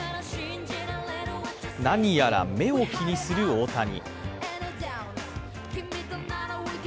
何やら目を気にする大谷。